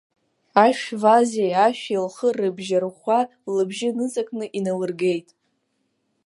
Ашәвази ашәи лхы рыбжьарӷәӷәа, лыбжьы ныҵакны иналыргеит.